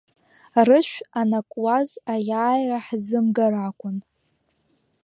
Рышә анакуаз аиааира ҳзымгар акәын.